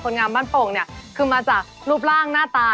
คนงามบ้านโป่งขึ้นมาจากรูปร่างหน้าตา